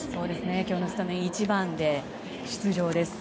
今日はスタメン１番で出場です。